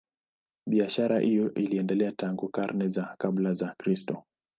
Biashara hiyo iliendelea tangu karne za kabla ya Kristo.